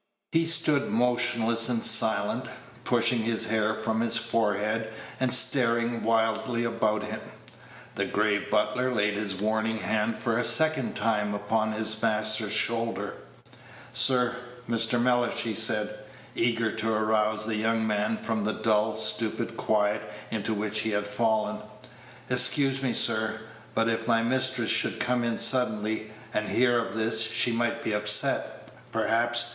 He stood motionless and silent, pushing his hair from his forehead, and staring wildly about him. The grave butler laid his warning hand for a second time upon his master's shoulder. "Sir, Mr. Mellish," he said, eager to arouse the young man from the dull, stupid quiet into which he had fallen, "excuse me, sir, but if my mistress should come in suddenly, and hear of this, she might be upset, perhaps.